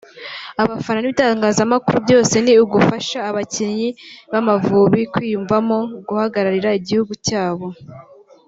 Abafana n’ibitangazamakuru byose ni ugufasha abakinnyi b’Amavubi kwiyumvamo guhagararira igihugu cyabo